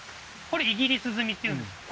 これイギリス積みっていうんですか？